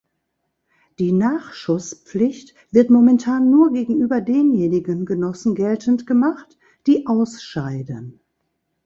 Die Nachschusspflicht wird momentan nur gegenüber denjenigen Genossen geltend gemacht, die ausscheiden.